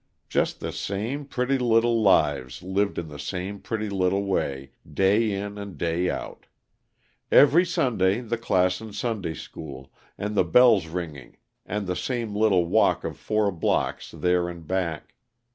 Just the same petty little lives lived in the same petty little way, day in and day out. Every Sunday the class in Sunday school, and the bells ringing and the same little walk of four blocks there and back.